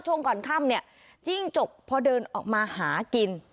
ช่วงก่อนค่ำเนี่ยจิ้งจกพอเดินออกมาหากิน